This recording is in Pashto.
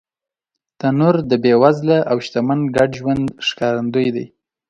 تنور د بېوزله او شتمن ګډ ژوند ښکارندوی دی